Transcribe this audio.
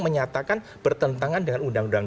menyatakan bertentangan dengan undang undang